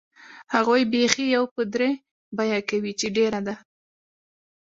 هغوی بیخي یو په درې بیه کوي چې ډېره ده.